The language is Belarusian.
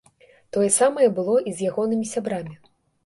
Тое самае было і з ягонымі сябрамі.